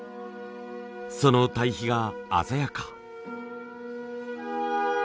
その対比が鮮やか。